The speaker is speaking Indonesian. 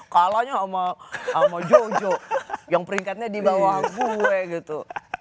kalanya sama jojo yang peringkatnya di bawah gue gitu